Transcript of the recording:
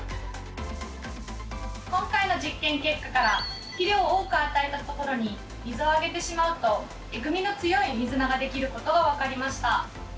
今回の実験結果から肥料を多く与えたところに水をあげてしまうとえぐみの強いミズナができることが分かりました。